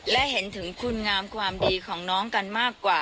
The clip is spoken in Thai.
และเห็นถึงคุณงามความดีของน้องกันมากกว่า